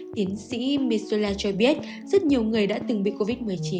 tiến sĩ mezuela cho biết rất nhiều người đã từng bị covid một mươi chín